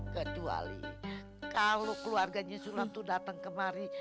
kecuali kalau keluarganya sulam tuh datang kemari